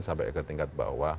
sampai ke tingkat bawah